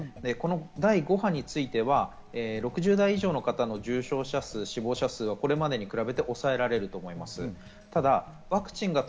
第５波については６０代以上の方の重症者数、死亡者数はこれまでに比べて抑えられると思います。